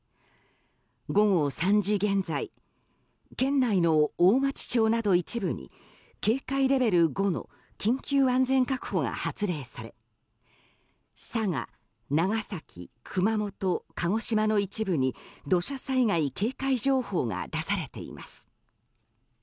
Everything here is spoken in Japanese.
午後３時現在県内の大町町など一部に警戒レベル５の緊急安全確保が発令され佐賀、長崎、熊本鹿児島の一部に土砂災害警戒情報が出されています。